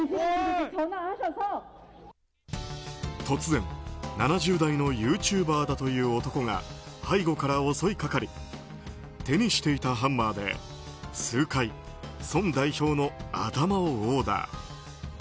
突然、７０代のユーチューバーという男が背後から襲いかかり手にしていたハンマーで数回、ソン代表の頭を殴打。